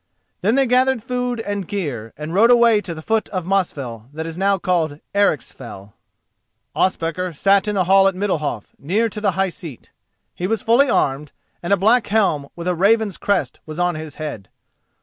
Then they gathered food and gear, and rode away to the foot of Mosfell that is now called Ericsfell. Ospakar sat in the hall at Middalhof, near to the high seat. He was fully armed, and a black helm with a raven's crest was on his head.